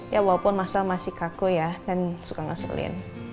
ya walaupun mas lha masih kaku ya dan suka ngeselin